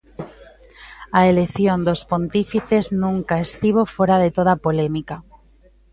A elección dos pontífices nunca estivo fóra de toda polémica.